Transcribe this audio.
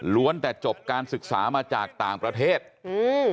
แต่จบการศึกษามาจากต่างประเทศอืม